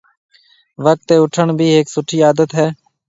وقت تي اُوٺڻ بي هيَڪ سُٺِي عادت هيَ۔